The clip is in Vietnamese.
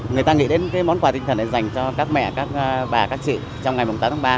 người ta nghĩ đến cái món quà tinh thần này dành cho các mẹ các bà các chị trong ngày tám tháng ba